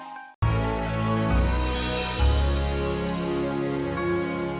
kita kembali keaksesan